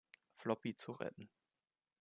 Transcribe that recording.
Floppy zu retten.